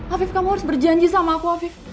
afif kamu harus berjanji sama aku